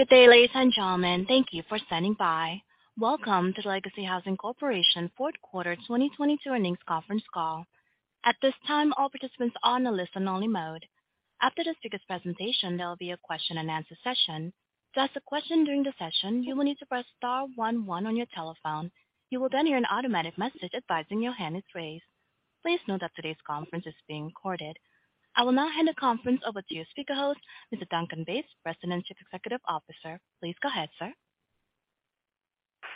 Good day, ladies and gentlemen. Thank you for standing by. Welcome to Legacy Housing Corporation fourth quarter 2022 earnings conference call. At this time, all participants are on a listen only mode. After the speaker's presentation, there will be a question-and-answer session. To ask a question during the session, you will need to press star one one on your telephone. You will then hear an automatic message advising your hand is raised. Please note that today's conference is being recorded. I will now hand the conference over to your speaker host, Mr. Duncan Bates, President, Chief Executive Officer. Please go ahead, sir.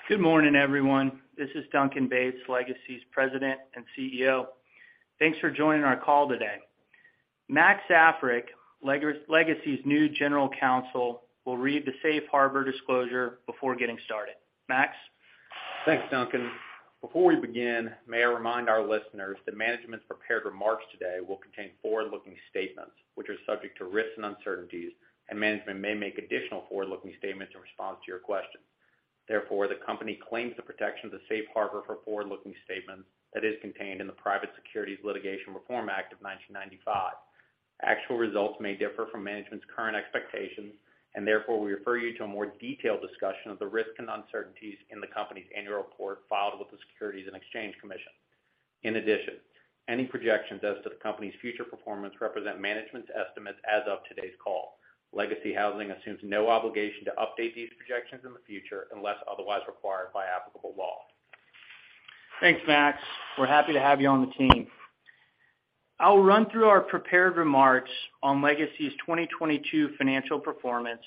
Good morning, everyone. This is Duncan Bates, Legacy's President and CEO. Thanks for joining our call today. Max Africk, Legacy's new General Counsel, will read the Safe Harbor disclosure before getting started. Max. Thanks, Duncan. Before we begin, may I remind our listeners that management's prepared remarks today will contain forward-looking statements which are subject to risks and uncertainties, and management may make additional forward-looking statements in response to your questions. The company claims the protection of the safe harbor for forward-looking statements that is contained in the Private Securities Litigation Reform Act of 1995. Actual results may differ from management's current expectations. We refer you to a more detailed discussion of the risks and uncertainties in the company's annual report filed with the Securities and Exchange Commission. Any projections as to the company's future performance represent management's estimates as of today's call. Legacy Housing assumes no obligation to update these projections in the future unless otherwise required by applicable law. Thanks, Max. We're happy to have you on the team. I'll run through our prepared remarks on Legacy's 2022 financial performance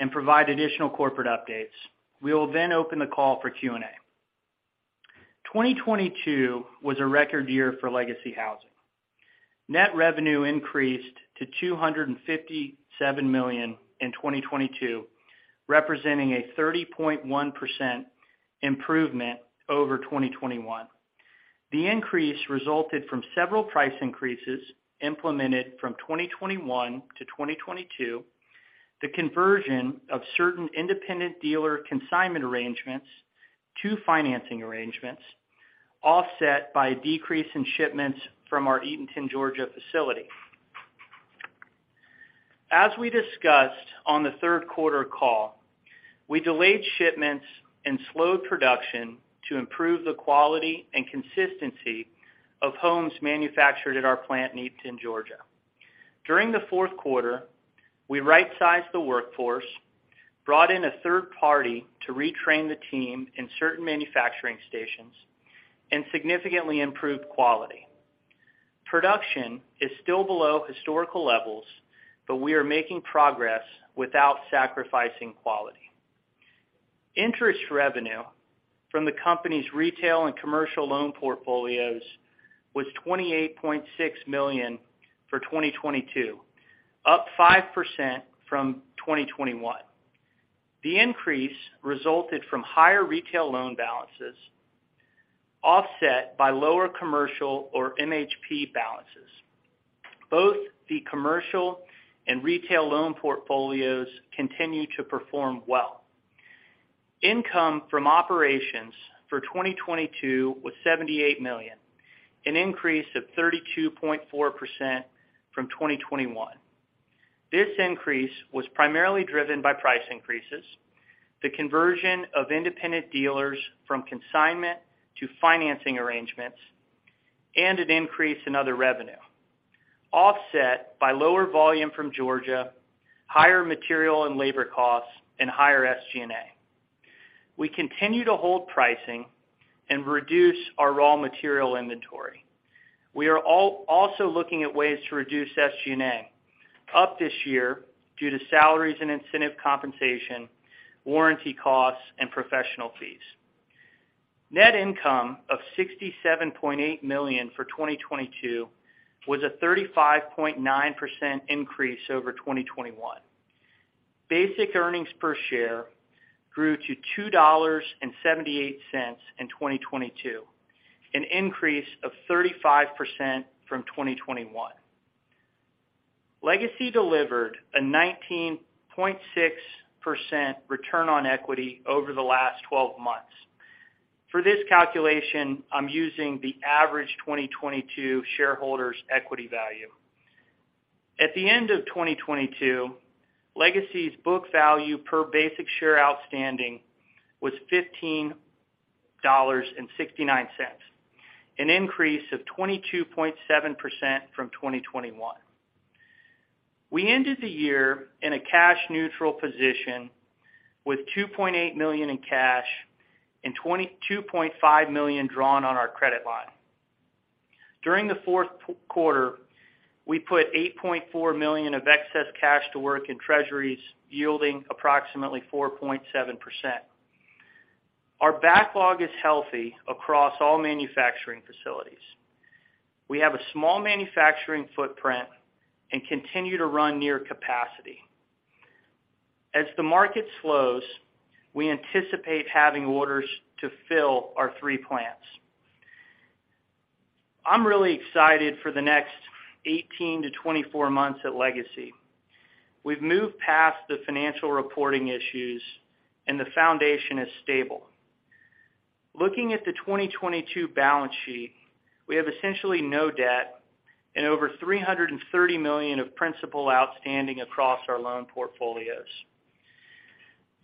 and provide additional corporate updates. We will open the call for Q&A. 2022 was a record year for Legacy Housing. Net revenue increased to $257 million in 2022, representing a 30.1% improvement over 2021. The increase resulted from several price increases implemented from 2021 to 2022, the conversion of certain independent dealer consignment arrangements to financing arrangements, offset by a decrease in shipments from our Eatonton, Georgia facility. As we discussed on the third quarter call, we delayed shipments and slowed production to improve the quality and consistency of homes manufactured at our plant in Eatonton, Georgia. During the fourth quarter, we right-sized the workforce, brought in a third party to retrain the team in certain manufacturing stations, and significantly improved quality. We are making progress without sacrificing quality. Interest revenue from the company's retail and commercial loan portfolios was $28.6 million for 2022, up 5% from 2021. The increase resulted from higher retail loan balances offset by lower commercial or MHP balances. Both the commercial and retail loan portfolios continue to perform well. Income from operations for 2022 was $78 million, an increase of 32.4% from 2021. This increase was primarily driven by price increases, the conversion of independent dealers from consignment to financing arrangements, and an increase in other revenue offset by lower volume from Georgia, higher material and labor costs, and higher SG&A. We continue to hold pricing and reduce our raw material inventory. We are also looking at ways to reduce SG&A. Up this year due to salaries and incentive compensation, warranty costs, and professional fees. Net income of $67.8 million for 2022 was a 35.9% increase over 2021. Basic earnings per share grew to $2.78 in 2022, an increase of 35% from 2021. Legacy delivered a 19.6% return on equity over the last 12 months. For this calculation, I'm using the average 2022 shareholders' equity value. At the end of 2022, Legacy's book value per basic share outstanding was $15.69, an increase of 22.7% from 2021. We ended the year in a cash neutral position with $2.8 million in cash and $22.5 million drawn on our credit line. During the fourth quarter, we put $8.4 million of excess cash to work in treasuries, yielding approximately 4.7%. Our backlog is healthy across all manufacturing facilities. We have a small manufacturing footprint and continue to run near capacity. As the market slows, we anticipate having orders to fill our three plants. I'm really excited for the next 18 to 24 months at Legacy. We've moved past the financial reporting issues, and the foundation is stable. Looking at the 2022 balance sheet, we have essentially no debt and over $330 million of principal outstanding across our loan portfolios.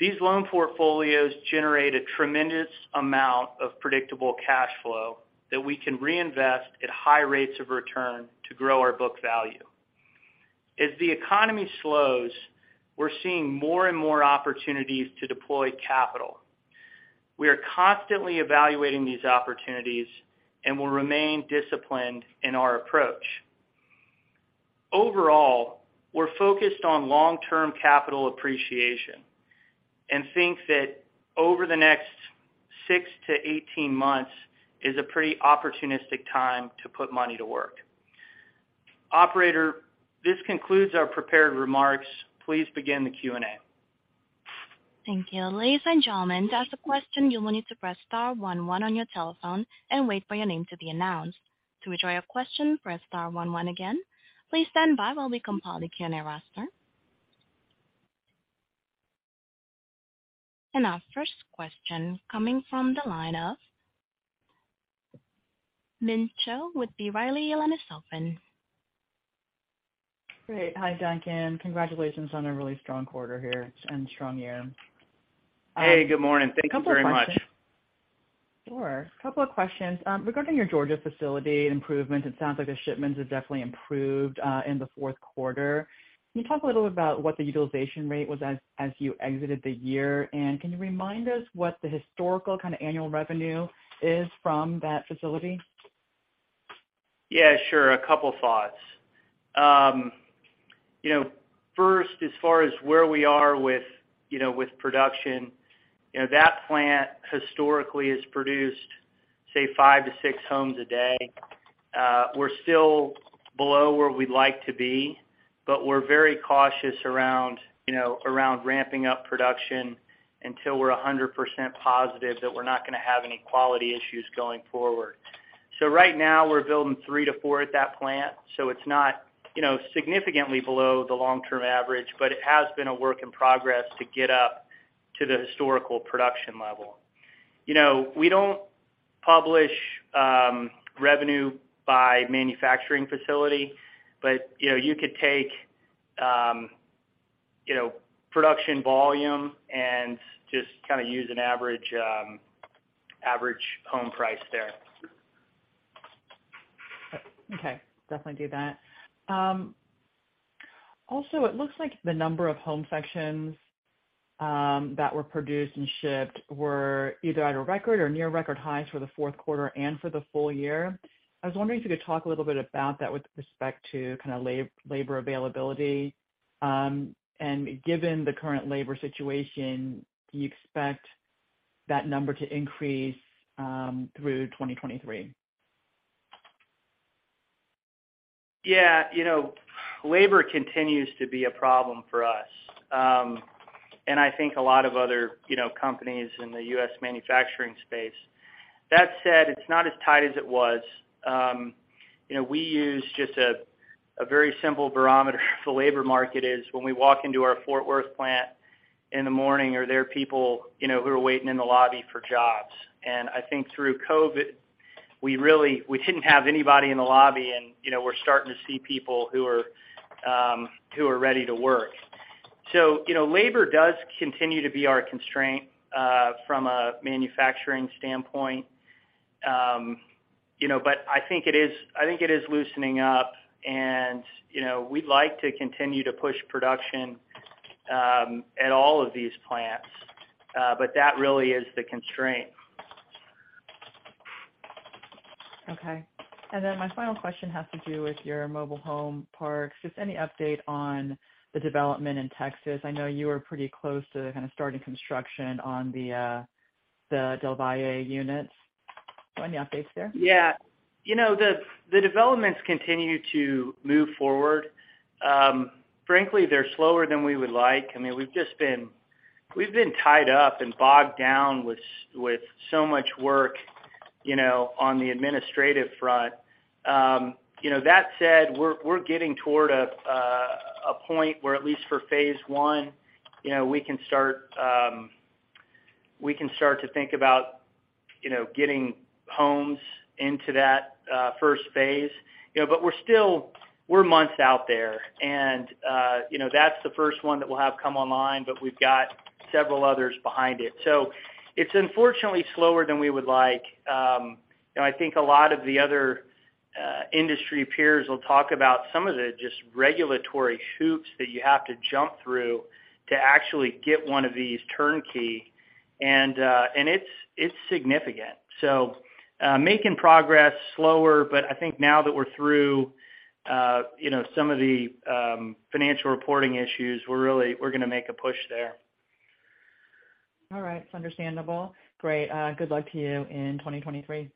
These loan portfolios generate a tremendous amount of predictable cash flow that we can reinvest at high rates of return to grow our book value. As the economy slows, we're seeing more and more opportunities to deploy capital. We are constantly evaluating these opportunities and will remain disciplined in our approach. Overall, we're focused on long-term capital appreciation and think that over the next 6 to 18 months is a pretty opportunistic time to put money to work. Operator, this concludes our prepared remarks. Please begin the Q&A. Thank you. Ladies and gentlemen, to ask a question, you will need to press star one one on your telephone and wait for your name to be announced. To withdraw your question, press star one one again. Please stand by while we compile the Q&A roster. Our first question coming from the line of Min Cho with B. Riley your line is open. Great. Hi, Duncan. Congratulations on a really strong quarter here and strong year. Hey, good morning. Thank you very much. Sure. A couple of questions. Regarding your Georgia facility improvement, it sounds like the shipments have definitely improved in the fourth quarter. Can you talk a little bit about what the utilization rate was as you exited the year? Can you remind us what the historical kind of annual revenue is from that facility? Yeah, sure. A couple thoughts. You know, first, as far as where we are with, you know, with production, you know, that plant historically has produced, say, five to six homes a day. We're still below where we'd like to be, but we're very cautious around, you know, around ramping up production until we're 100% positive that we're not gonna have any quality issues going forward. Right now we're building three to four at that plant, so it's not, you know, significantly below the long-term average, but it has been a work in progress to get up to the historical production level. You know, we don't publish revenue by manufacturing facility, but, you know, you could take, you know, production volume and just kinda use an average average home price there. Okay. Definitely do that. Also, it looks like the number of home sections that were produced and shipped were either at a record or near record highs for the fourth quarter and for the full year. I was wondering if you could talk a little bit about that with respect to labor availability. Given the current labor situation, do you expect that number to increase through 2023? You know, labor continues to be a problem for us, I think a lot of other, you know, companies in the U.S. manufacturing space. That said, it's not as tight as it was. You know, we use just a very simple barometer of the labor market is when we walk into our Fort Worth plant in the morning, are there people, you know, who are waiting in the lobby for jobs? I think through COVID, we didn't have anybody in the lobby and, you know, we're starting to see people who are, who are ready to work. You know, labor does continue to be our constraint from a manufacturing standpoint. You know, I think it is, I think it is loosening up and, you know, we'd like to continue to push production at all of these plants, that really is the constraint. Okay. My final question has to do with your mobile home parks. Just any update on the development in Texas? I know you were pretty close to kind of starting construction on the Del Valle units. Any updates there? Yeah. You know, the developments continue to move forward. Frankly, they're slower than we would like. I mean, we've just been tied up and bogged down with so much work, you know, on the administrative front. You know, that said, we're getting toward a point where at least for phase I, you know, we can start to think about, you know, getting homes into that phase I. You know, we're still months out there and, you know, that's the first one that we'll have come online, but we've got several others behind it. It's unfortunately slower than we would like, you know, I think a lot of the other industry peers will talk about some of the just regulatory hoops that you have to jump through to actually get one of these turnkey and it's significant. Making progress slower, but I think now that we're through, you know, some of the financial reporting issues, we're really, we're gonna make a push there. All right. It's understandable. Great. good luck to you in 2023.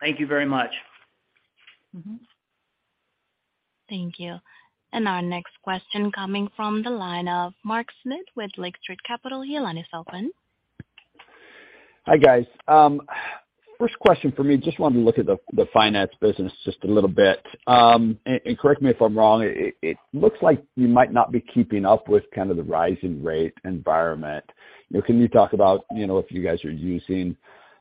Thank you very much. Thank you. Our next question coming from the line of Mark Smith with Lake Street Capital. Your line is open. Hi, guys. First question for me, just wanted to look at the finance business just a little bit. Correct me if I'm wrong, it looks like you might not be keeping up with kind of the rising rate environment. You know, can you talk about, you know, if you guys are using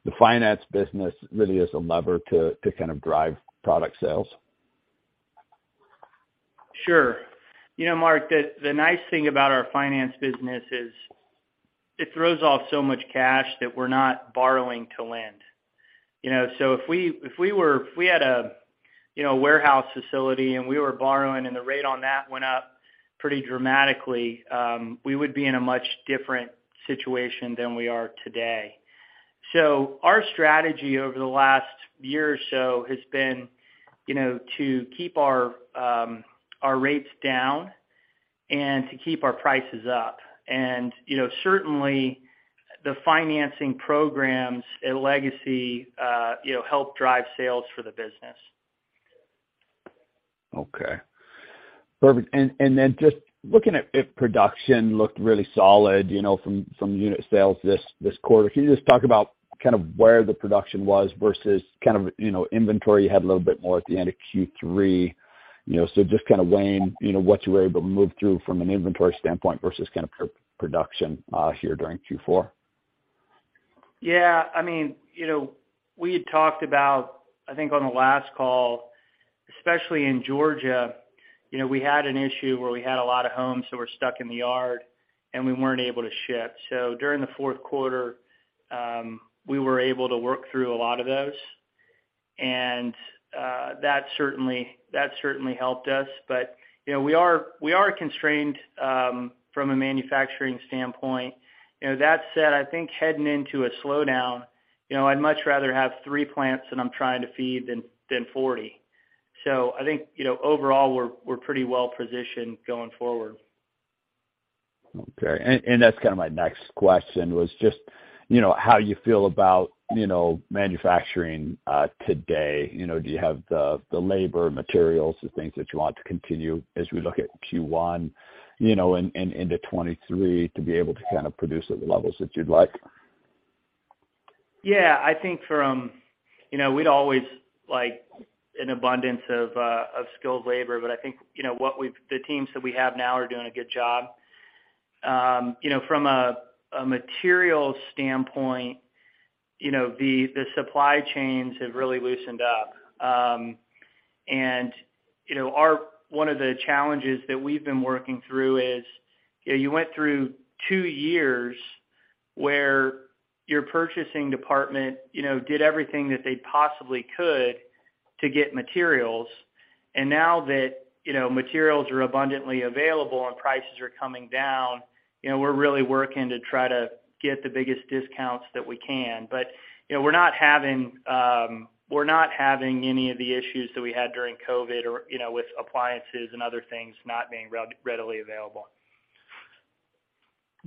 the finance business really as a lever to kind of drive product sales? Sure. You know, Mark, the nice thing about our finance business is it throws off so much cash that we're not borrowing to lend, you know? If we had a, you know, warehouse facility and we were borrowing and the rate on that went up pretty dramatically, we would be in a much different situation than we are today. Our strategy over the last year or so has been, you know, to keep our rates down and to keep our prices up. You know, certainly the financing programs at Legacy, you know, help drive sales for the business. Okay. Perfect. Then just looking at if production looked really solid, you know, from unit sales this quarter. Can you just talk about kind of where the production was versus kind of, you know, inventory you had a little bit more at the end of Q3, you know. Just kind of weighing, you know, what you were able to move through from an inventory standpoint versus kind of production here during Q4. Yeah. I mean, you know, we had talked about, I think on the last call, especially in Georgia, you know, we had an issue where we had a lot of homes that were stuck in the yard, and we weren't able to ship. During the fourth quarter, we were able to work through a lot of those. That certainly helped us. You know, we are constrained, from a manufacturing standpoint. You know, that said, I think heading into a slowdown, you know, I'd much rather have three plants that I'm trying to feed than 40. I think, you know, overall, we're pretty well positioned going forward. Okay. That's kind of my next question, was just, you know, how you feel about, you know, manufacturing today. You know, do you have the labor, materials, the things that you want to continue as we look at Q1, you know, and into 2023 to be able to kind of produce at the levels that you'd like? Yeah. I think from, you know, we'd always like an abundance of skilled labor, but I think, you know, what the teams that we have now are doing a good job. You know, from a material standpoint, you know, the supply chains have really loosened up. You know, one of the challenges that we've been working through is, you know, you went through two years where your purchasing department, you know, did everything that they possibly could to get materials. Now that, you know, materials are abundantly available and prices are coming down, you know, we're really working to try to get the biggest discounts that we can, but you know, we're not having, we're not having any of the issues that we had during COVID or, you know, with appliances and other things not being readily available.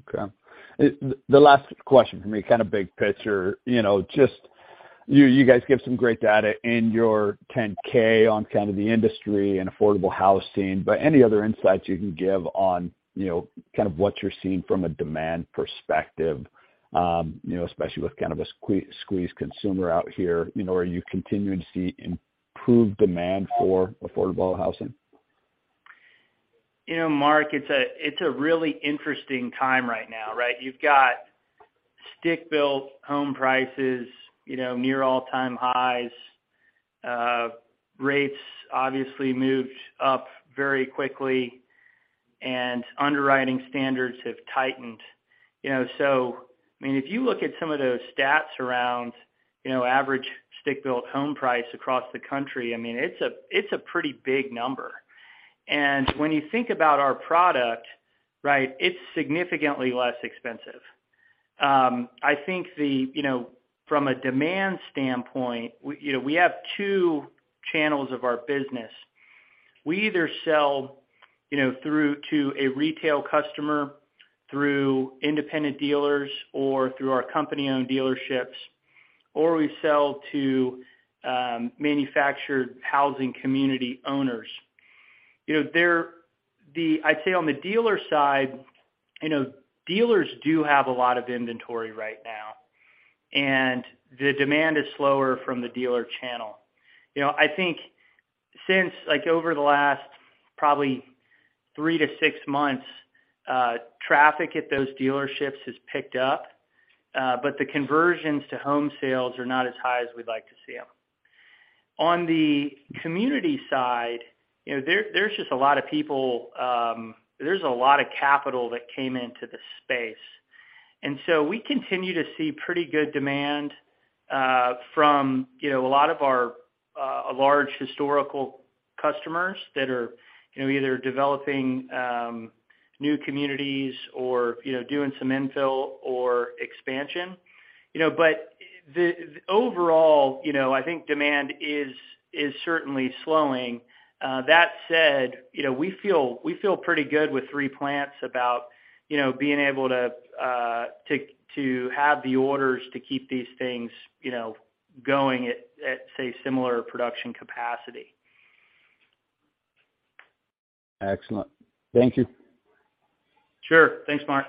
Okay. The last question for me, kind of big picture, you know, just you guys give some great data in your 10-K on kind of the industry and affordable housing, but any other insights you can give on, you know, kind of what you're seeing from a demand perspective, you know, especially with kind of a squeezed consumer out here, you know, are you continuing to see improved demand for affordable housing? You know, Mark, it's a really interesting time right now, right? You've got stick-built home prices, you know, near all-time highs. Rates obviously moved up very quickly, underwriting standards have tightened. You know, I mean, if you look at some of those stats around, you know, average stick-built home price across the country, I mean, it's a pretty big number. When you think about our product, right, it's significantly less expensive. I think, you know, from a demand standpoint, we have two channels of our business. We either sell, you know, through to a retail customer through independent dealers or through our company-owned dealerships, or we sell to manufactured housing community owners. You know, I'd say on the dealer side, you know, dealers do have a lot of inventory right now, and the demand is slower from the dealer channel. You know, I think since like over the last probably three to six months, traffic at those dealerships has picked up, but the conversions to home sales are not as high as we'd like to see them. On the community side, you know, there's just a lot of capital that came into the space. We continue to see pretty good demand from, you know, a lot of our large historical customers that are, you know, either developing new communities or, you know, doing some infill or expansion. You know, the overall, you know, I think demand is certainly slowing. That said, you know, we feel pretty good with three plants about, you know, being able to have the orders to keep these things, you know, going at say similar production capacity. Excellent. Thank you. Sure. Thanks, Mark.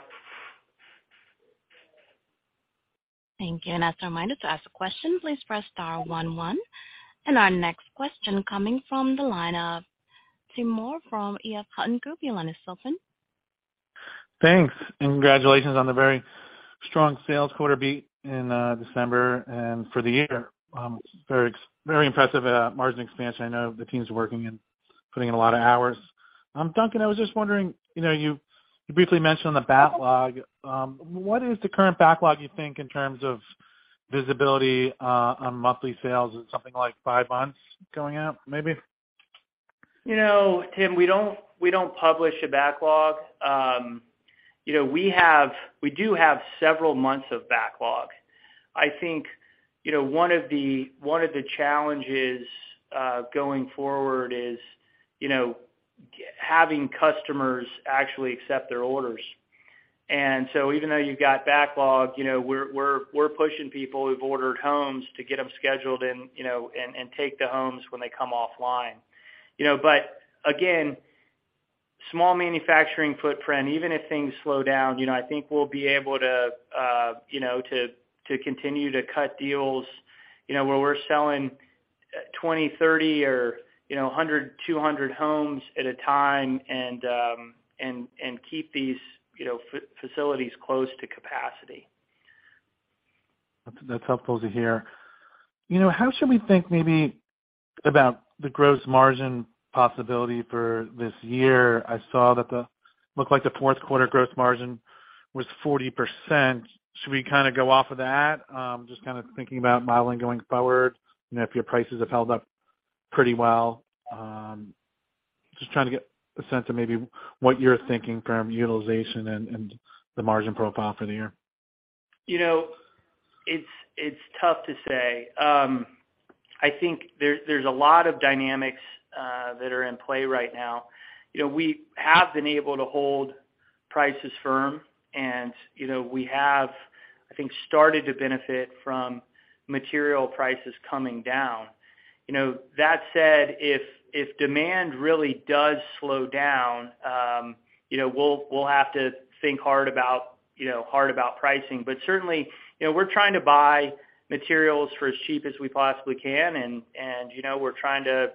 Thank you. As a reminder, to ask a question, please press star one one. Our next question coming from the line of Tim Moore from EF Hutton Group. Your line is open. Thanks. Congratulations on the very strong sales quarter beat in December and for the year. Very impressive margin expansion. I know the team's working and putting in a lot of hours. Duncan, I was just wondering, you know, you briefly mentioned the backlog. What is the current backlog, you think, in terms of visibility on monthly sales? Is it something like five months going out, maybe? You know, Tim, we don't publish a backlog. You know, we do have several months of backlog. I think, you know, one of the, one of the challenges going forward is, you know, having customers actually accept their orders. Even though you've got backlog, you know, we're pushing people who've ordered homes to get them scheduled and, you know, take the homes when they come offline. You know, again, small manufacturing footprint, even if things slow down, you know, I think we'll be able to, you know, to continue to cut deals, you know, where we're selling 20, 30 or, you know, 100, 200 homes at a time and, you know, keep these facilities close to capacity. That's helpful to hear. You know, how should we think maybe about the gross margin possibility for this year? I saw that looked like the fourth quarter gross margin was 40%. Should we kind of go off of that? Just kind of thinking about modeling going forward, you know, if your prices have held up pretty well. Just trying to get a sense of maybe what you're thinking from utilization and the margin profile for the year. You know, it's tough to say. I think there's a lot of dynamics that are in play right now. You know, we have been able to hold prices firm and, you know, we have, I think, started to benefit from material prices coming down. You know, that said, if demand really does slow down, you know, we'll have to think hard about, you know, pricing. Certainly, you know, we're trying to buy materials for as cheap as we possibly can and, you know, we're trying to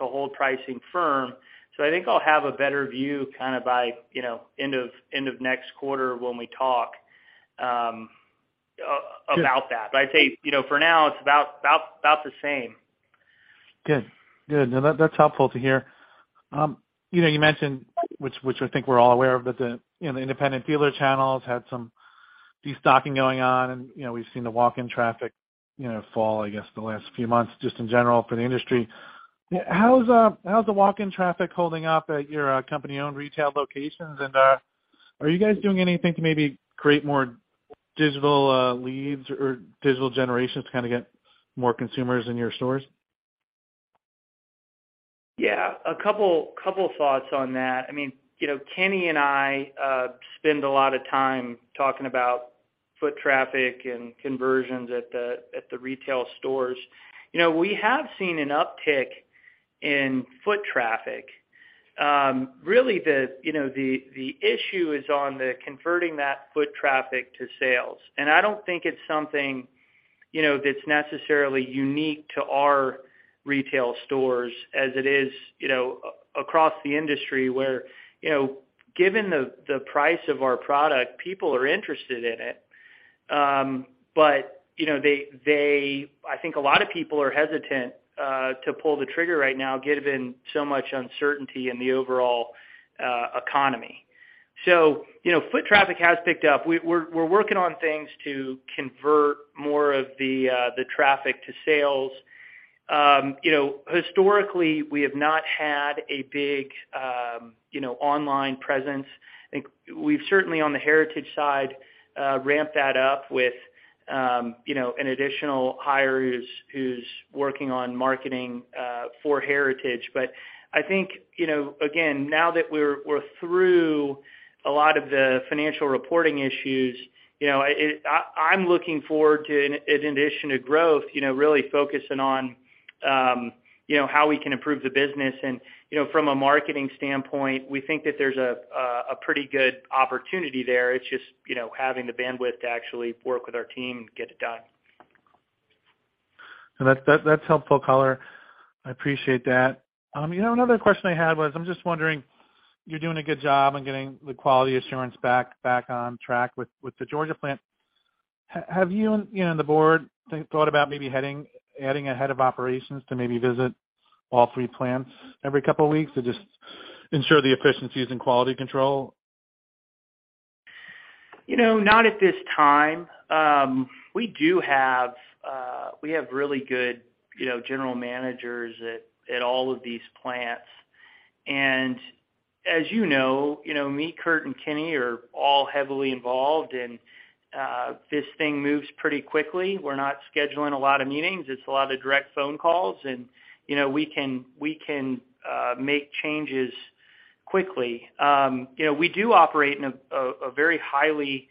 hold pricing firm. I think I'll have a better view kind of by, you know, end of, end of next quarter when we talk about that. I'd say, you know, for now it's about the same. Good. Good. No, that's helpful to hear. You know, you mentioned, which I think we're all aware of, but the, you know, the independent dealer channels had some destocking going on and, you know, we've seen the walk-in traffic, you know, fall, I guess, the last few months just in general for the industry. How's the walk-in traffic holding up at your company-owned retail locations? Are you guys doing anything to maybe create more digital leads or digital generations to kind of get more consumers in your stores? Yeah, a couple thoughts on that. I mean, you know, Kenny and I spend a lot of time talking about foot traffic and conversions at the retail stores. You know, we have seen an uptick in foot traffic. Really, you know, the issue is on the converting that foot traffic to sales. I don't think it's something, you know, that's necessarily unique to our retail stores as it is, you know, across the industry where, you know, given the price of our product, people are interested in it. You know, they, I think a lot of people are hesitant to pull the trigger right now given so much uncertainty in the overall economy. You know, foot traffic has picked up. We're working on things to convert more of the traffic to sales. You know, historically, we have not had a big, you know, online presence. I think we've certainly, on the Heritage side, ramped that up with, you know, an additional hire who's working on marketing for Heritage. I think, you know, again, now that we're through a lot of the financial reporting issues, you know, I'm looking forward to, in addition to growth, you know, really focusing on, you know, how we can improve the business. You know, from a marketing standpoint, we think that there's a pretty good opportunity there. It's just, you know, having the bandwidth to actually work with our team and get it done. That's helpful color. I appreciate that. You know, another question I had was, I'm just wondering, you're doing a good job on getting the quality assurance back on track with the Georgia plant. Have you and, you know, the board thought about maybe adding a head of operations to maybe visit all three plants every couple of weeks to just ensure the efficiency is in quality control? You know, not at this time. We do have really good, you know, general managers at all of these plants. As you know, you know, me, Kurt, and Kenny are all heavily involved, this thing moves pretty quickly. We're not scheduling a lot of meetings. It's a lot of direct phone calls. You know, we can make changes quickly. You know, we do operate in a very highly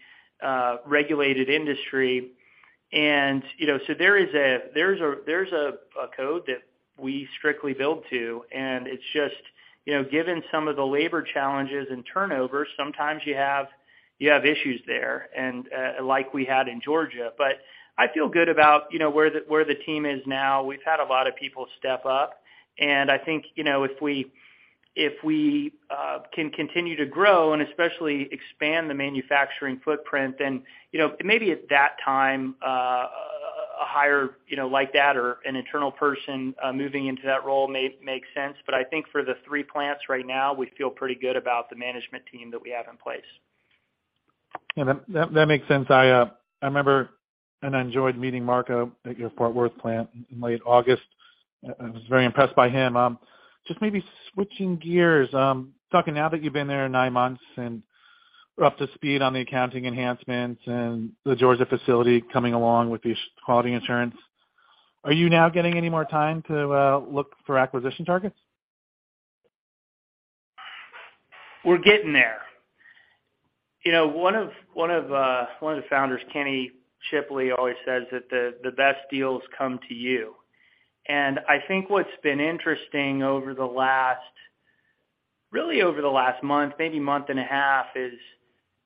regulated industry, you know, there's a code that we strictly build to. It's just, you know, given some of the labor challenges and turnover, sometimes you have issues there, like we had in Georgia. I feel good about, you know, where the team is now. We've had a lot of people step up. I think, you know, if we can continue to grow and especially expand the manufacturing footprint, then, you know, maybe at that time, a hire, you know, like that or an internal person moving into that role may make sense. I think for the three plants right now, we feel pretty good about the management team that we have in place. Yeah, that makes sense. I remember and enjoyed meeting Marco at your Fort Worth plant in late August. I was very impressed by him. Just maybe switching gears. Duncan, now that you've been there nine months, and we're up to speed on the accounting enhancements and the Georgia facility coming along with the quality insurance, are you now getting any more time to look for acquisition targets? We're getting there. You know, one of the founders, Kenny Shipley, always says that the best deals come to you. I think what's been interesting over the last, really over the last month, maybe month and a half is,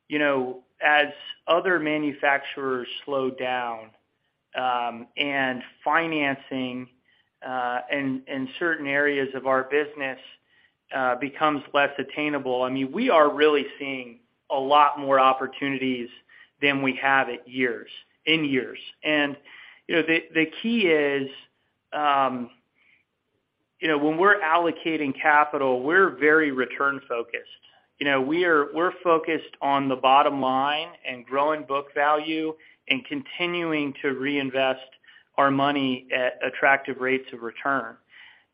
you know, as other manufacturers slow down, and financing in certain areas of our business becomes less attainable, I mean, we are really seeing a lot more opportunities than we have in years. You know, the key is, you know, when we're allocating capital, we're very return-focused. You know, we're focused on the bottom line and growing book value and continuing to reinvest our money at attractive rates of return.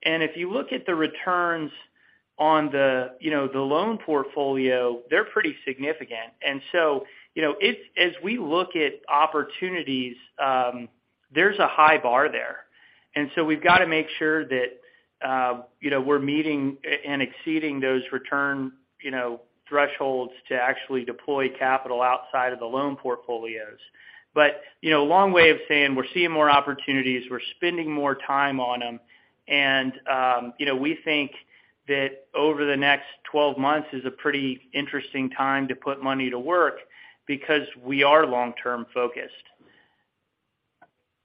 If you look at the returns on the loan portfolio, they're pretty significant. You know, as we look at opportunities, there's a high bar there. We've got to make sure that, you know, we're meeting and exceeding those return, you know, thresholds to actually deploy capital outside of the loan portfolios. You know, long way of saying, we're seeing more opportunities, we're spending more time on them. You know, we think that over the next 12 months is a pretty interesting time to put money to work because we are long-term focused.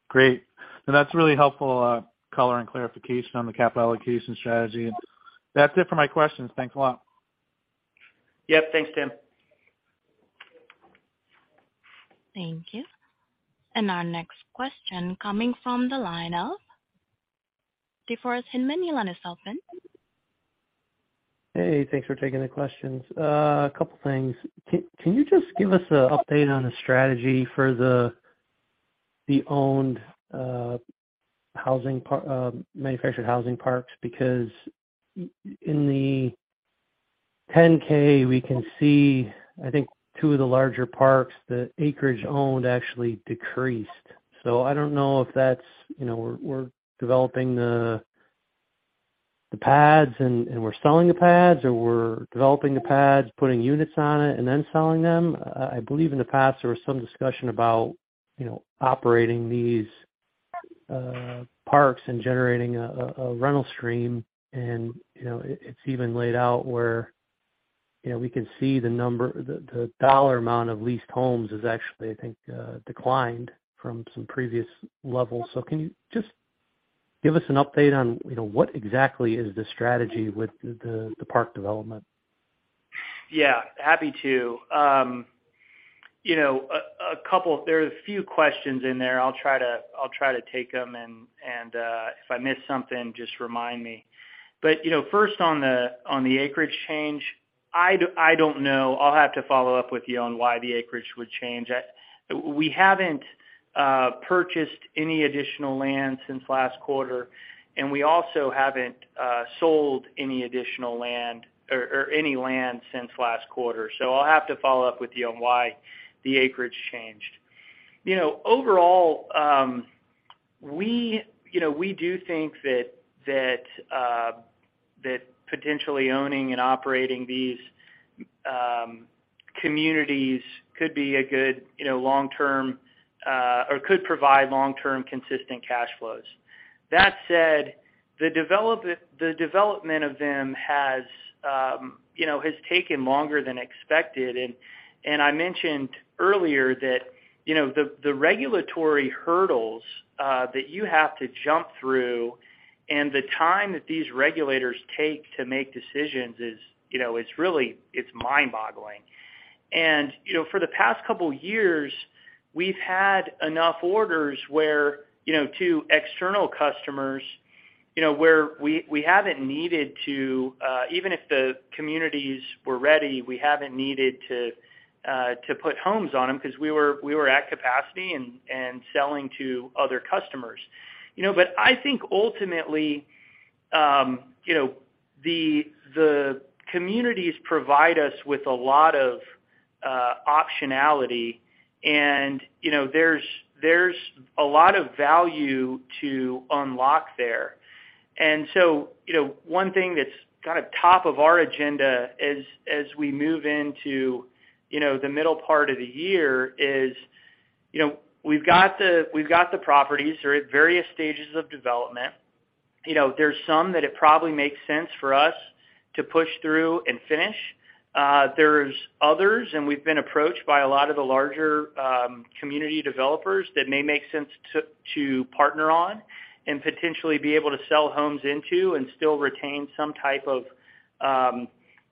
Great. That's really helpful, color and clarification on the capital allocation strategy. That's it for my questions. Thanks a lot. Yep. Thanks, Tim. Thank you. Our next question coming from the line of DeForest Hinman. Your line is open. Hey, thanks for taking the questions. A couple of things. Can you just give us a update on the strategy for the owned, manufactured housing parks? In the 10-K, we can see, I think two of the larger parks, the acreage owned actually decreased. I don't know if that's, you know, we're developing the pads and we're selling the pads or we're developing the pads, putting units on it and then selling them. I believe in the past there was some discussion about, you know, operating these, parks and generating a rental stream. You know, it's even laid out where, you know, we can see the dollar amount of leased homes is actually, I think, declined from some previous levels. Can you just give us an update on, you know, what exactly is the strategy with the park development? Yeah, happy to. You know, there are a few questions in there. I'll try to take them and if I miss something just remind me. You know, first on the acreage change, I don't know. I'll have to follow up with you on why the acreage would change. We haven't purchased any additional land since last quarter, and we also haven't sold any additional land or any land since last quarter. I'll have to follow up with you on why the acreage changed. You know, overall, we, you know, we do think that potentially owning and operating these communities could be a good, you know, long-term, or could provide long-term consistent cash flows. That said, the development of them has, you know, has taken longer than expected. I mentioned earlier that, you know, the regulatory hurdles that you have to jump through and the time that these regulators take to make decisions is, you know, it's really, it's mind-boggling. For the past couple of years, we've had enough orders where, you know, to external customers, you know, where we haven't needed to, even if the communities were ready, we haven't needed to put homes on them because we were at capacity and selling to other customers. I think ultimately, you know, the communities provide us with a lot of optionality. There's a lot of value to unlock there. You know, one thing that's kind of top of our agenda as we move into, you know, the middle part of the year is, you know, we've got the properties. They're at various stages of development. You know, there's some that it probably makes sense for us to push through and finish. There's others, and we've been approached by a lot of the larger community developers that may make sense to partner on and potentially be able to sell homes into and still retain some type of,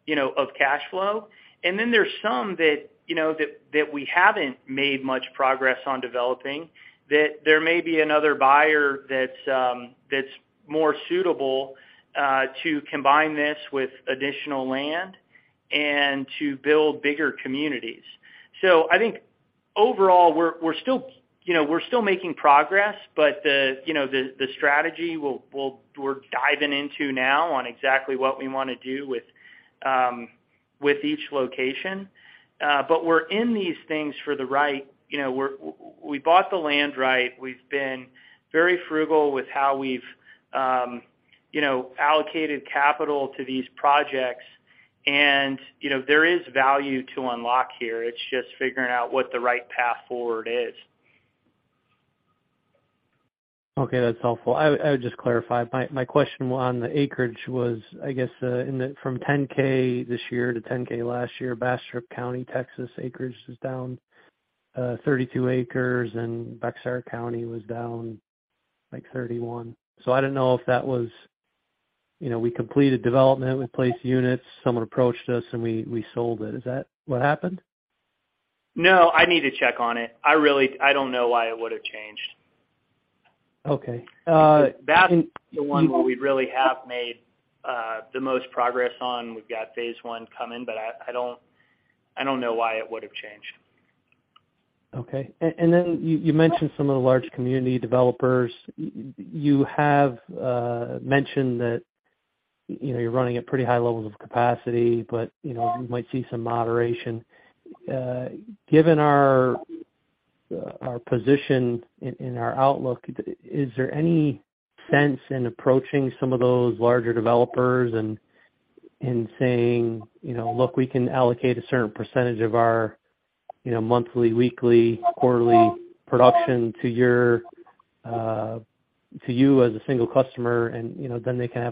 you know, of cash flow. There's some that, you know, that we haven't made much progress on developing, that there may be another buyer that's more suitable to combine this with additional land and to build bigger communities. I think overall, we're still, you know, we're still making progress. The, you know, the strategy we're diving into now on exactly what we wanna do with each location. We're in these things for the right, you know, we bought the land right. We've been very frugal with how we've, you know, allocated capital to these projects. You know, there is value to unlock here. It's just figuring out what the right path forward is. Okay, that's helpful. I would just clarify. My question on the acreage was, I guess, from 10-K this year to 10-K last year, Bastrop County, Texas acres was down, 32 acres, and Bexar County was down, like, 31. I didn't know if that was, you know, we completed development, we placed units, someone approached us, and we sold it. Is that what happened? No, I need to check on it. I don't know why it would've changed. Okay. That's the one where we really have made, the most progress on. We've got phase one coming, but I don't, I don't know why it would've changed. Okay. Then you mentioned some of the large community developers. You have mentioned that, you know, you're running at pretty high levels of capacity, but, you know, you might see some moderation. Given our position and our outlook, is there any sense in approaching some of those larger developers and saying, you know, "Look, we can allocate a certain percentage of our, you know, monthly, weekly, quarterly production to your to you as a single customer," and, you know, then they can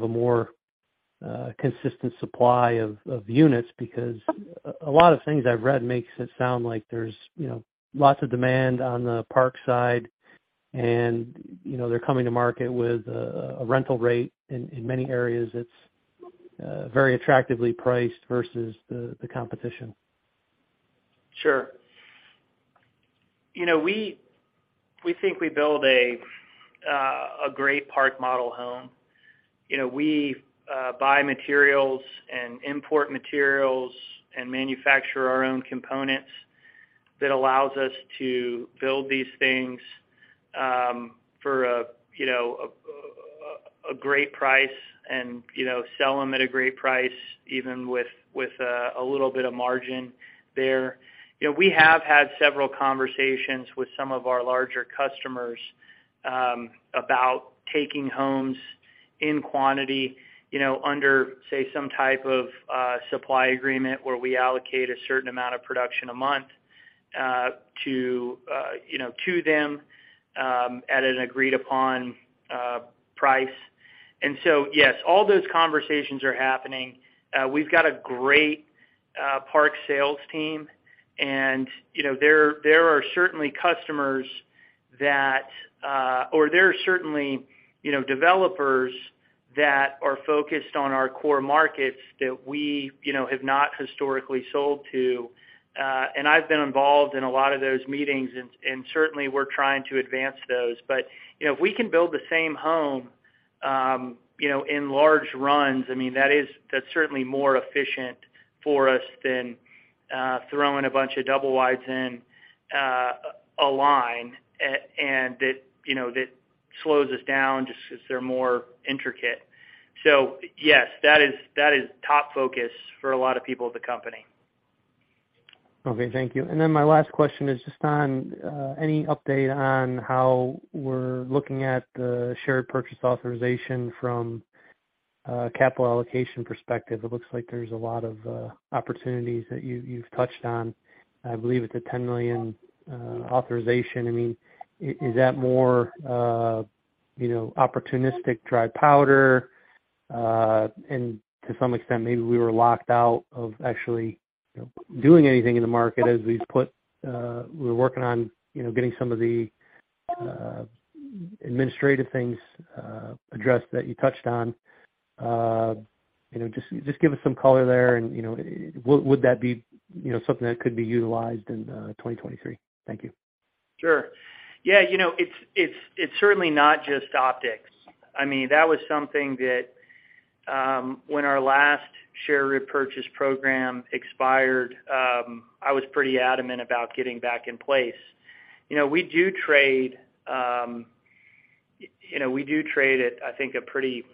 have a more consistent supply of units because a lot of things I've read makes it sound like there's, you know, lots of demand on the park side, and, you know, they're coming to market with a rental rate. In many areas, it's very attractively priced versus the competition. Sure. You know, we think we build a great park model home. You know, we buy materials and import materials and manufacture our own components that allows us to build these things for a, you know, a great price and, you know, sell them at a great price, even with a little bit of margin there. You know, we have had several conversations with some of our larger customers about taking homes in quantity, you know, under, say, some type of supply agreement where we allocate a certain amount of production a month to, you know, to them at an agreed upon price. Yes, all those conversations are happening. We've got a great park sales team, and, you know, there are certainly customers that, or there are certainly, you know, developers that are focused on our core markets that we, you know, have not historically sold to. I've been involved in a lot of those meetings and certainly we're trying to advance those. You know, if we can build the same home, you know, in large runs, I mean, that's certainly more efficient for us than throwing a bunch of double wides in a line and that, you know, that slows us down just 'cause they're more intricate. Yes, that is top focus for a lot of people at the company. Okay, thank you. Then my last question is just on, any update on how we're looking at the shared purchase authorization from a capital allocation perspective. It looks like there's a lot of opportunities that you've touched on. I believe it's a $10 million authorization. I mean, is that more, you know, opportunistic dry powder? And to some extent, maybe we were locked out of actually, you know, doing anything in the market as we're working on, you know, getting some of the administrative things addressed that you touched on. You know, just give us some color there and, you know, would that be, you know, something that could be utilized in, 2023? Thank you. Sure. Yeah, you know, it's, it's certainly not just optics. I mean, that was something that, when our last share repurchase program expired, I was pretty adamant about getting back in place. You know, we do trade at, I think, a pretty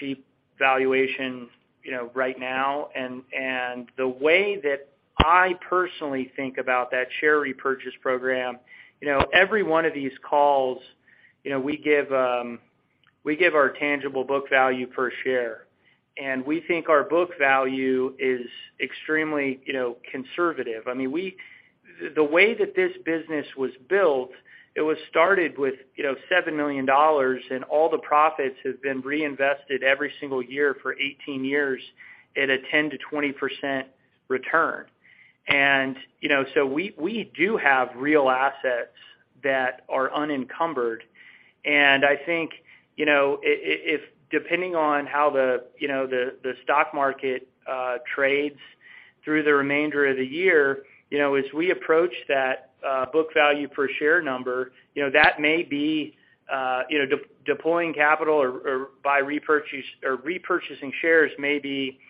cheap valuation, you know, right now. The way that I personally think about that share repurchase program, you know, every one of these calls, you know, we give our tangible book value per share. We think our book value is extremely, you know, conservative. I mean, the way that this business was built, it was started with, you know, $7 million, and all the profits have been reinvested every single year for 18 years at a 10%-20% return. You know, so we do have real assets that are unencumbered. I think, you know, if depending on how the, you know, the stock market trades through the remainder of the year, you know, as we approach that book value per share number, you know, that may be, you know, deploying capital or repurchasing shares may be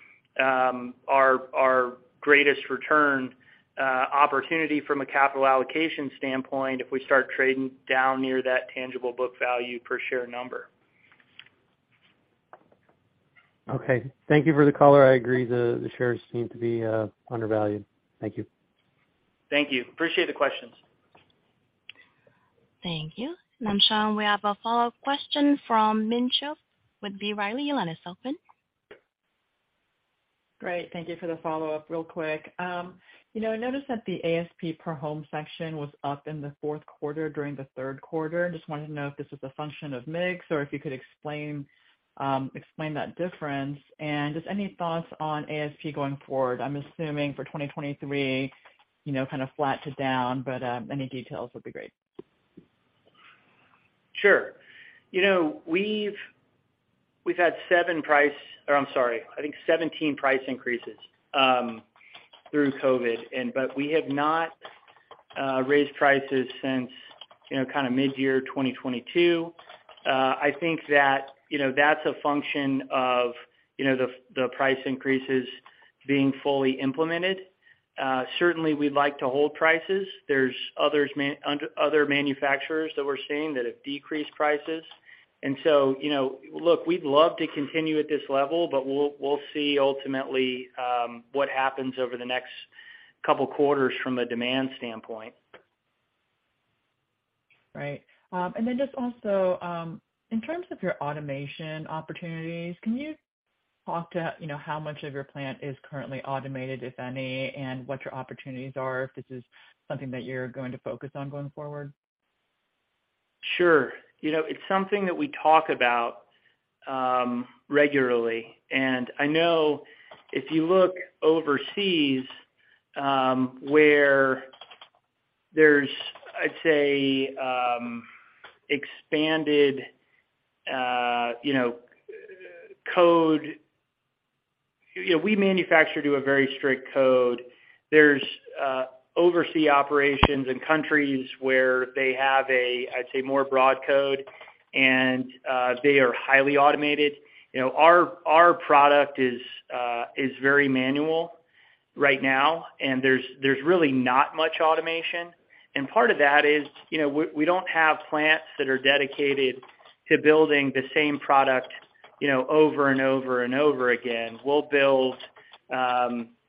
our greatest return opportunity from a capital allocation standpoint if we start trading down near that tangible book value per share number. Okay. Thank you for the color. I agree the shares seem to be undervalued. Thank you. Thank you. Appreciate the questions. Thank you. [inaudible] we have a follow-up question from Min Cho with B. Riley. Your line is open. Great. Thank you for the follow-up. Real quick, you know, I noticed that the ASP per home section was up in the fourth quarter during the third quarter. Just wanted to know if this was a function of mix or if you could explain that difference. Just any thoughts on ASP going forward, I'm assuming for 2023, you know, kind of flat to down, but any details would be great. Sure. You know, we've had I think 17 price increases through COVID but we have not raised prices since, you know, kind of midyear 2022. I think that, you know, that's a function of, you know, the price increases being fully implemented. Certainly we'd like to hold prices. There's others other manufacturers that we're seeing that have decreased prices. you know, look, we'd love to continue at this level, but we'll see ultimately what happens over the next couple quarters from a demand standpoint. Right. Just also, in terms of your automation opportunities, can you talk to, you know, how much of your plant is currently automated, if any, and what your opportunities are if this is something that you're going to focus on going forward? Sure. You know, it's something that we talk about, regularly. I know if you look overseas, where there's, I'd say, expanded, you know, code. You know, we manufacture to a very strict code. There's oversea operations in countries where they have a, I'd say, more broad code, and they are highly automated. You know, our product is very manual right now, and there's really not much automation. Part of that is, you know, we don't have plants that are dedicated to building the same product, you know, over and over and over again. We'll build, you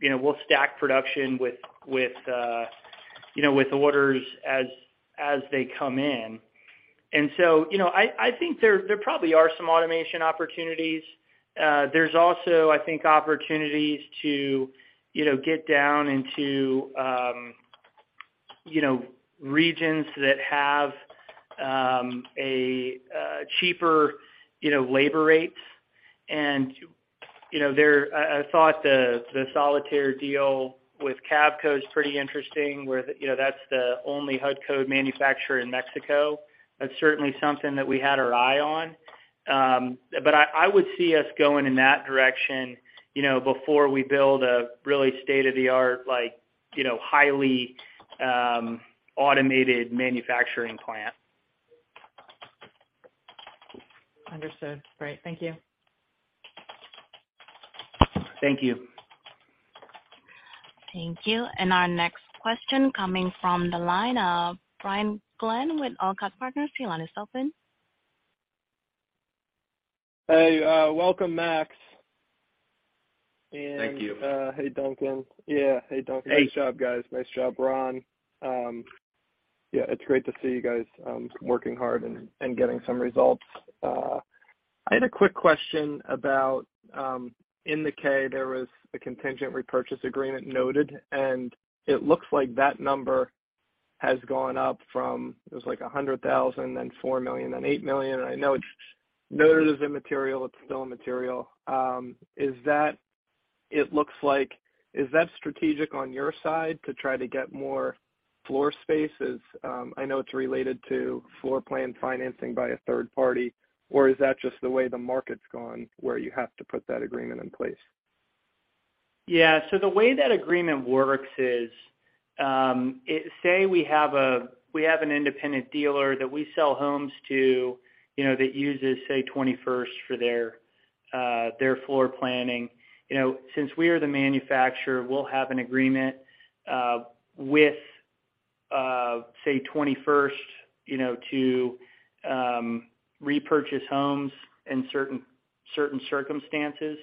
know, we'll stack production with, you know, with orders as they come in. So, you know, I think there probably are some automation opportunities. There's also, I think, opportunities to, you know, get down into, you know, regions that have cheaper, you know, labor rates. You know, I thought the Solitaire deal with Cavco is pretty interesting, where, you know, that's the only HUD code manufacturer in Mexico. That's certainly something that we had our eye on. I would see us going in that direction, you know, before we build a really state-of-the-art, like, you know, highly automated manufacturing plant. Understood. Great. Thank you. Thank you. Thank you. Our next question coming from the line of Brian Glenn with Olcott Partners. Your line is open. Hey, welcome, Max. Thank you. Hey, Duncan. Yeah. Hey, Duncan. Hey. Nice job, guys. Nice job, Ron. Yeah, it's great to see you guys working hard and getting some results. I had a quick question about in the 10-K, there was a contingent repurchase agreement noted. It looks like that number has gone up from, it was like $100,000, then $4 million, then $8 million. I know it's noted as immaterial. It's still immaterial. It looks like, is that strategic on your side to try to get more floor space as I know it's related to floor plan financing by a third party, or is that just the way the market's gone where you have to put that agreement in place? The way that agreement works is, say we have an independent dealer that we sell homes to, you know, that uses, say, Twenty First for their floor planning. You know, since we are the manufacturer, we'll have an agreement with, say, Twenty First, you know, to repurchase homes in certain circumstances.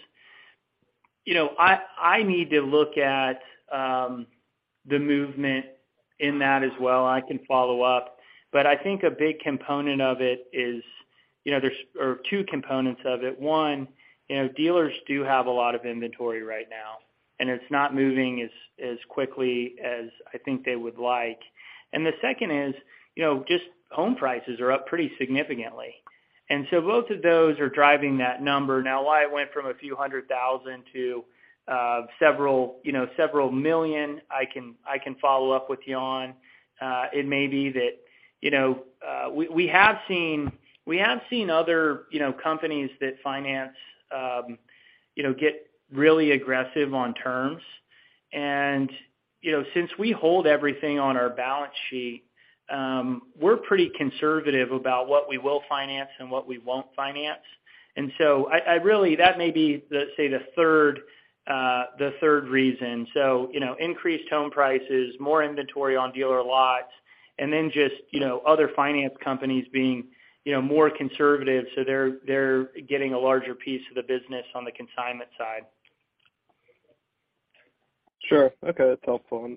You know, I need to look at the movement in that as well. I can follow up. I think a big component of it is, you know, or two components of it. One, you know, dealers do have a lot of inventory right now, and it's not moving as quickly as I think they would like. The second is, you know, just home prices are up pretty significantly. Both of those are driving that number. Why it went from a few hundred thousand to several, you know, several million, I can follow up with you on. It may be that, you know, we have seen other, you know, companies that finance, you know, get really aggressive on terms. You know, since we hold everything on our balance sheet, we're pretty conservative about what we will finance and what we won't finance. I really, that may be the, say, the third, the third reason. You know, increased home prices, more inventory on dealer lots, and then just, you know, other finance companies being, you know, more conservative, so they're getting a larger piece of the business on the consignment side. Sure. Okay. That's helpful.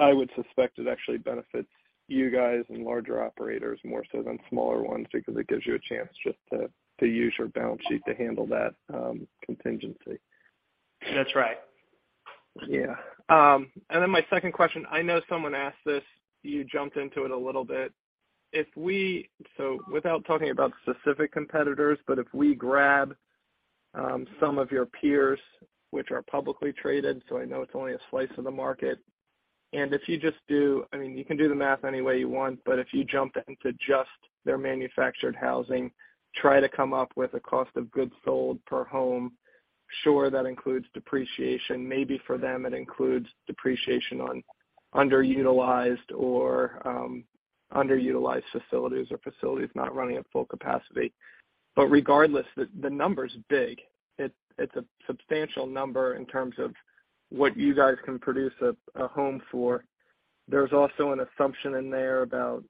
I would suspect it actually benefits you guys and larger operators more so than smaller ones because it gives you a chance just to use your balance sheet to handle that contingency. That's right. Yeah. My second question, I know someone asked this, you jumped into it a little bit. If we without talking about specific competitors, but if we grab some of your peers, which are publicly traded, so I know it's only a slice of the market. If you just do, you can do the math any way you want, but if you jump into just their manufactured housing, try to come up with a cost of goods sold per home. Sure, that includes depreciation. Maybe for them, it includes depreciation on underutilized or underutilized facilities or facilities not running at full capacity. Regardless, the number's big. It's a substantial number in terms of what you guys can produce a home for. There's also an assumption in there about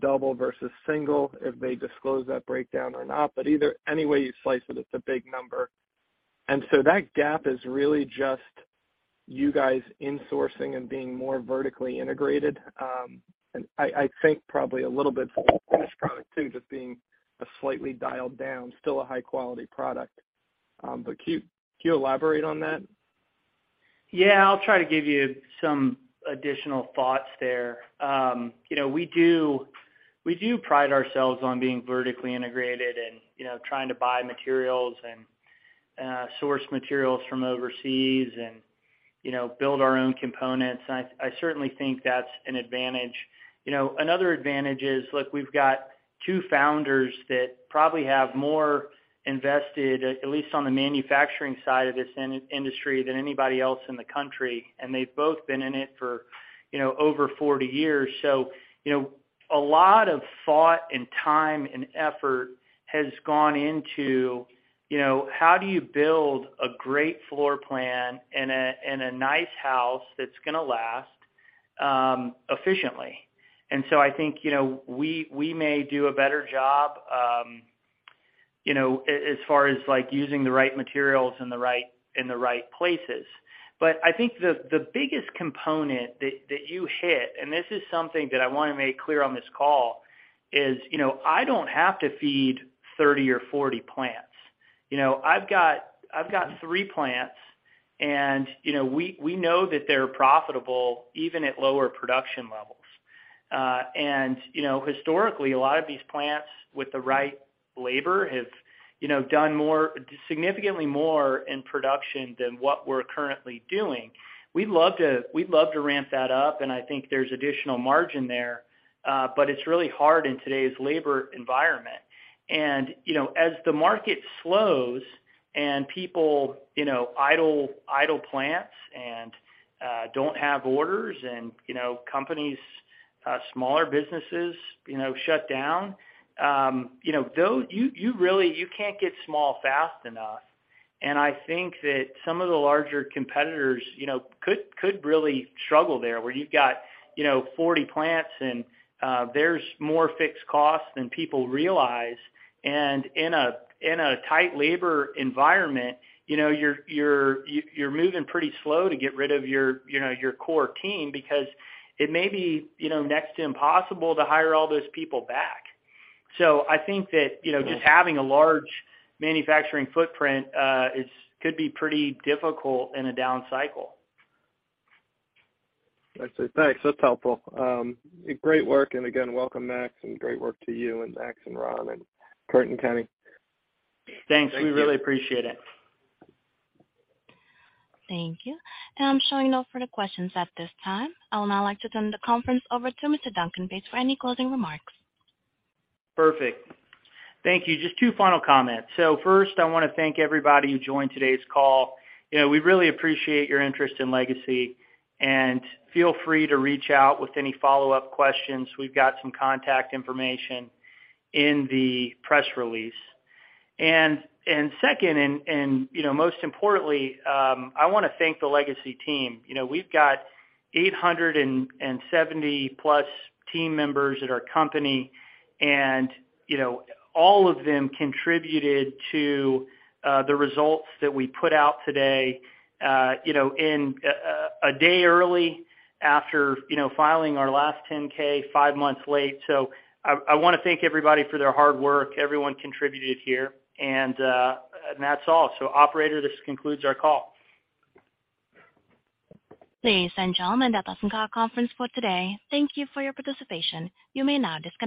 double versus single, if they disclose that breakdown or not. Either, any way you slice it's a big number. That gap is really just you guys insourcing and being more vertically integrated. I think probably a little bit finished product too, just being a slightly dialed down, still a high quality product. Can you elaborate on that? Yeah. I'll try to give you some additional thoughts there. You know, we do pride ourselves on being vertically integrated and, you know, trying to buy materials and source materials from overseas and, you know, build our own components. I certainly think that's an advantage. You know, another advantage is, look, we've got two founders that probably have more invested, at least on the manufacturing side of this industry than anybody else in the country, and they've both been in it for, you know, over 40 years. You know, a lot of thought and time and effort has gone into, you know, how do you build a great floor plan and a nice house that's gonna last efficiently. I think, you know, we may do a better job, you know, as far as like using the right materials in the right places. I think the biggest component that you hit, and this is something that I wanna make clear on this call, is, you know, I don't have to feed 30 or 40 plants. You know, I've got three plants and, you know, we know that they're profitable even at lower production levels. You know, historically, a lot of these plants with the right labor have, you know, done more, significantly more in production than what we're currently doing. We'd love to ramp that up, and I think there's additional margin there, but it's really hard in today's labor environment. you know, as the market slows and people, you know, idle plants and don't have orders and, you know, companies, smaller businesses, you know, shut down, you really you can't get small fast enough. I think that some of the larger competitors, you know, could really struggle there, where you've got, you know, 40 plants and there's more fixed costs than people realize. In a, in a tight labor environment, you know, you're moving pretty slow to get rid of your, you know, your core team because it may be, you know, next to impossible to hire all those people back. I think that, you know, just having a large manufacturing footprint, is could be pretty difficult in a down cycle. I see. Thanks. That's helpful. Great work. Again, welcome Max, and great work to you and Max and Ron and Curt and Kenny. Thanks. We really appreciate it. Thank you. I'm showing no further questions at this time. I would now like to turn the conference over to Mr. Duncan Bates for any closing remarks. Perfect. Thank you. Just two final comments. First, I wanna thank everybody who joined today's call. You know, we really appreciate your interest in Legacy, and feel free to reach out with any follow-up questions. We've got some contact information in the press release. Second, and, you know, most importantly, I wanna thank the Legacy team. You know, we've got 870-plus team members at our company, and, you know, all of them contributed to the results that we put out today, you know, in a day early after, you know, filing our last 10-K five months late. I wanna thank everybody for their hard work. Everyone contributed here. That's all. Operator, this concludes our call. Ladies and gentlemen, that does end our conference for today. Thank you for your participation. You may now disconnect.